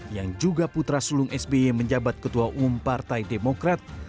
yang juga putra sulung sby menjabat ketua umum partai demokrat